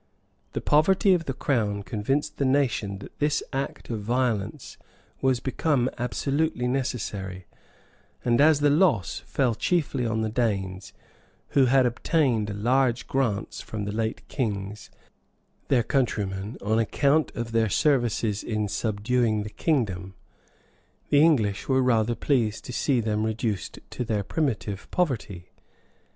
The poverty of the crown convinced the nation that this act of violence was become absolutely necessary; and as the loss fell chiefly on the Danes, who had obtained large grants from the late kings, their countrymen, on account of their services in subduing the kingdom, the English were rather pleased to see them reduced to their primitive poverty.